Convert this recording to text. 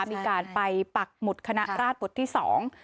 มีการไปปักหมุดคณะราชหมุดที่สอง